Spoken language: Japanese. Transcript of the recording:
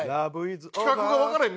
企画がわからへん。